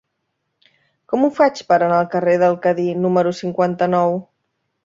Com ho faig per anar al carrer del Cadí número cinquanta-nou?